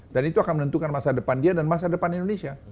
dan itu akan menentukan masa depan dia dan masa depan indonesia